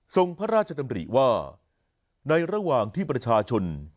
พระราชดำริว่าในระหว่างที่ประชาชน